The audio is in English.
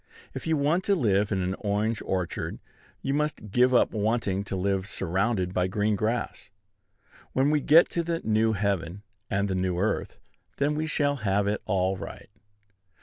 If you want to live in an orange orchard, you must give up wanting to live surrounded by green grass. When we get to the new heaven and the new earth, then we shall have it all right.